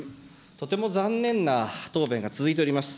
とても残念な答弁が続いております。